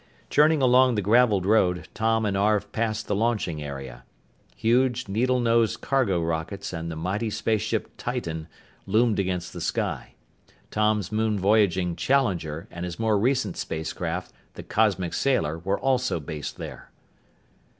Churning along the graveled road, Tom and Arv passed the launching area. Huge, needle nosed cargo rockets and the mighty spaceship Titan loomed against the sky. Tom's moon voyaging Challenger and his more recent space craft the Cosmic Sailer were also based there.